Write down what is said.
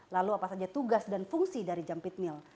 lalu apa saja tugas dan fungsi dari jampit mil